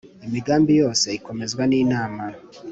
imigambi yose ikomezwa n’inama,